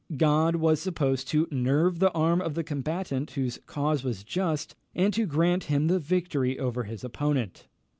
God was supposed to nerve the arm of the combatant whose cause was just, and to grant him the victory over his opponent.